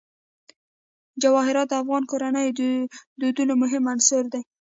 جواهرات د افغان کورنیو د دودونو مهم عنصر دی.